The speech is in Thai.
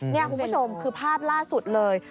นี่คุณผู้ชมคือภาพล่าสุดเลย